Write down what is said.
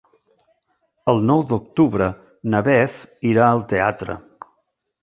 El nou d'octubre na Beth irà al teatre.